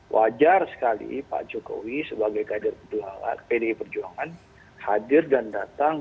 wajar sekali pak jokowi sebagai kader pdi perjuangan hadir dan datang